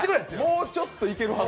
もうちょっといけるはず？